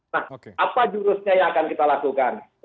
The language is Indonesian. nah apa jurusnya yang akan kita lakukan